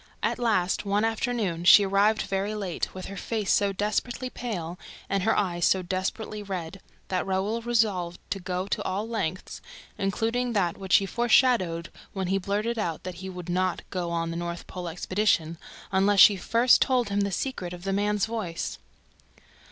At last, one afternoon, she arrived very late, with her face so desperately pale and her eyes so desperately red, that Raoul resolved to go to all lengths, including that which he foreshadowed when he blurted out that he would not go on the North Pole expedition unless she first told him the secret of the man's voice.